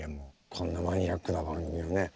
こんなマニアックな番組をね